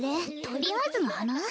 とりあえずのはな？